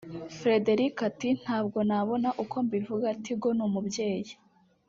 Frederick ati “ Ntabwo nabona uko mbivuga Tigo ni umubyeyi